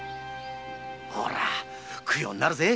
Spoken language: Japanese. ホラ供養になるぜ。